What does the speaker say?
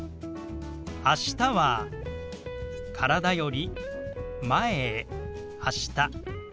「あした」は体より前へ「あした」。